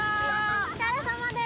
お疲れさまです。